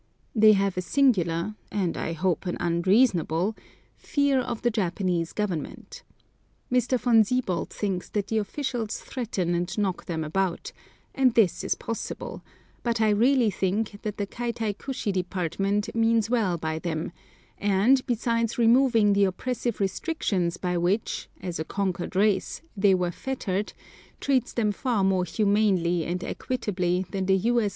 They have a singular, and I hope an unreasonable, fear of the Japanese Government. Mr. Von Siebold thinks that the officials threaten and knock them about; and this is possible; but I really think that the Kaitaikushi Department means well by them, and, besides removing the oppressive restrictions by which, as a conquered race, they were fettered, treats them far more humanely and equitably than the U.S.